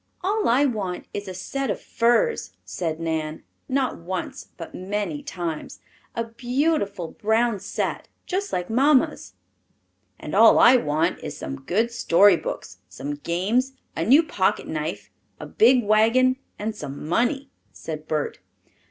"All I want is a set of furs," said Nan, not once but many times. "A beautiful brown set, just like mamma's." "And all I want is some good story books, some games, a new pocket knife, a big wagon, and some money," said Bert.